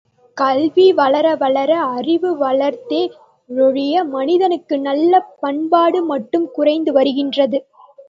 கல்வி வளர வளர அறிவு வளர்ந்ததே யொழிய மனிதனுக்கு நல்ல பண்பாடு மட்டும் குறைந்து வருகின்றது.